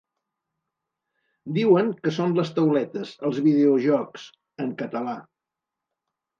Diuen que són les tauletes, els videojocs… En català.